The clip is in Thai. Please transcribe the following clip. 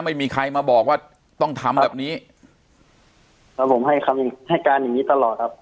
ไม่มีใครมาบอกว่าต้องทำแบบนี้แล้วผมให้คำให้การอย่างงี้ตลอดครับ